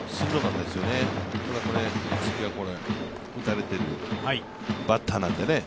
ただ、次は打たれているバッターなんでね。